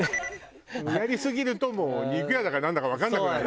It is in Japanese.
やりすぎるともう肉屋だかなんだかわかんなくなる。